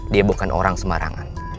dia bukan orang sembarangan